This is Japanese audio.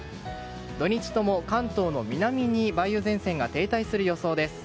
土日とも、関東の南に梅雨前線が停滞する予想です。